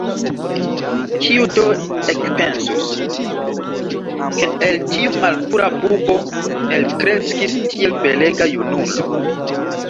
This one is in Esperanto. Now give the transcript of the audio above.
Kiu do ekpensus, ke el tiu malpura bubo elkreskis tiel belega junulo!